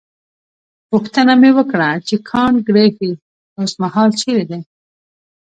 پوښتنه مې وکړه چې کانت ګریفي اوسمهال چیرې دی.